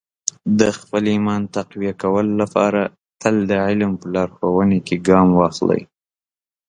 د خپل ایمان تقویه کولو لپاره تل د علم په لارښوونو کې ګام واخلئ.